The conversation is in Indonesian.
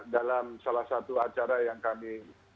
dalam salah satu acara yang kami